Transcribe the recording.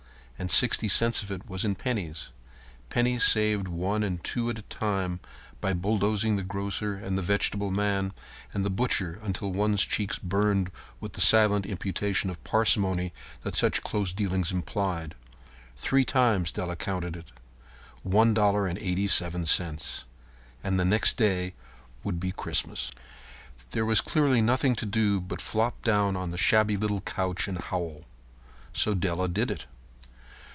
And sixty cents of it was in pennies. Pennies saved one and two at a time by bulldozing the grocer and the vegetable man and the butcher until one's cheeks burned with the silent imputation of parsimony that such close dealing implied. Three times Della counted it. One dollar and eighty seven cents. And the next day would be Christmas. There was clearly nothing to do but flop down on the shabby little couch and howl. So Della did it.